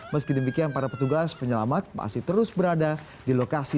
meski demikian para petugas penyelamat masih terus berada di lokasi